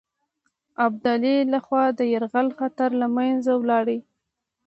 ابدالي له خوا د یرغل خطر له منځه ولاړ.